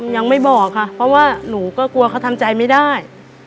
ยังไม่บอกค่ะเพราะว่าหนูก็กลัวเขาทำใจไม่ได้